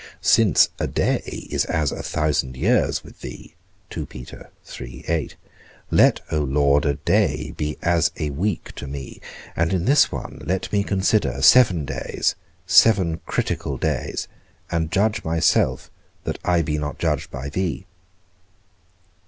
Since a day is as a thousand years with thee, let, O Lord, a day be as a week to me; and in this one, let me consider seven days, seven critical days, and judge myself that I be not judged by thee.